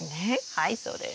はいそうです。